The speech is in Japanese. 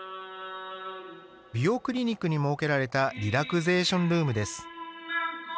美容クリニックに設けられたリラクゼーションルームです。